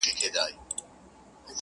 انډیوالۍ کي چا حساب کړی دی